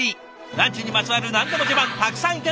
ランチにまつわる何でも自慢たくさん頂いてます。